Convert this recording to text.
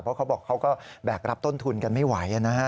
เพราะเขาบอกเขาก็แบกรับต้นทุนกันไม่ไหวนะฮะ